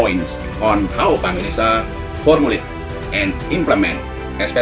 tentang cara bank indonesia memformulkan dan mengimplementasikan